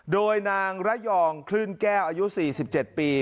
โดยนางระยองคลื่นแก้วอายุ๔๗ปี